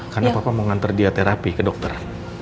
karena papa mau nganter dia terapi ke dokter